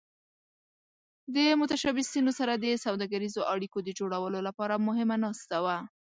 د متشبثینو سره د سوداګریزو اړیکو د جوړولو لپاره مهمه ناسته وه.